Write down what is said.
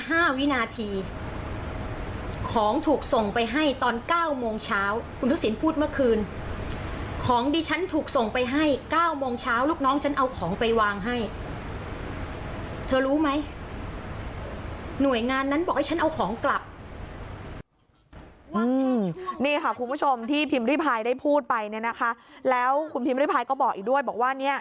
บอกว่านี้คุณทักษิณพูดถึงที่ฉัน๕วินาที